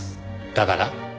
だから？